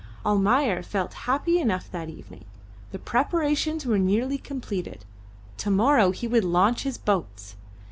Almayer felt happy enough that evening; the preparations were nearly completed; to morrow he would launch his boats.